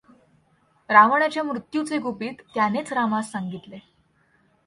रावणाच्या मृत्यूचे गुपित त्यानेच रामास सांगितले.